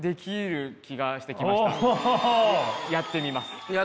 やってみます。